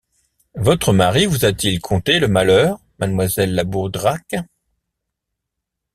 Votre mari vous a-t-il conté le malheur, madamoiselle La Boudraque?